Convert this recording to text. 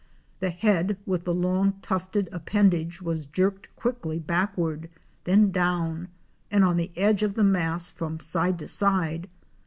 The head with the long tufted appen dage was jerked quickly backward, then down, and on the edges of the mass from side to side.